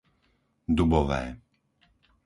Dubové